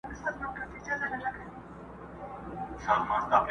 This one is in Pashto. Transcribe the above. شپه او ورځ یې پر خپل ځان باندي یوه کړه؛